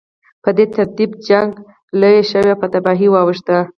په دې ترتیب جګړه لویه شوه او په تباهۍ واوښته